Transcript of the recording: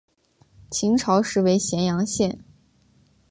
秦朝时为咸阳县。